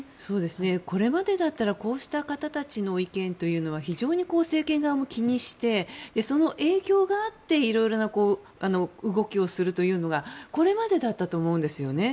これまでだったらこうした方たちの意見というのは非常に政権側も気にしてその影響があっていろいろな動きをするというのがこれまでだったと思うんですよね。